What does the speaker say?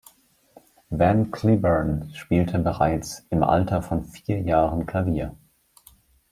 Van Cliburn spielte bereits im Alter von vier Jahren Klavier.